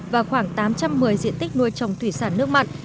và khoảng tám trăm một mươi diện tích nuôi trồng thủy sản nước mặn